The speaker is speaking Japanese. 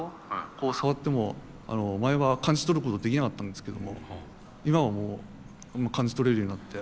こう触っても前は感じ取ることできなかったんですけども今はもう感じ取れるようになって。